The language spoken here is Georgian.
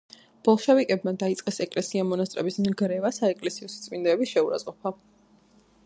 ბოლშევიკებმა დაიწყეს ეკლესია-მონასტრების ნგრევა, საეკლესიო სიწმიდეების შეურაცხყოფა.